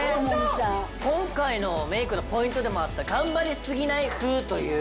今回のメイクのポイントでもあった頑張りすぎない風という。